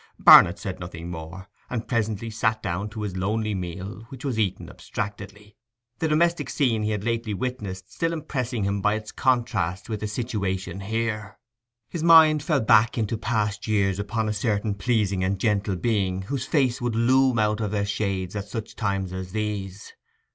Barnet said nothing more, and presently sat down to his lonely meal, which was eaten abstractedly, the domestic scene he had lately witnessed still impressing him by its contrast with the situation here. His mind fell back into past years upon a certain pleasing and gentle being whose face would loom out of their shades at such times as these.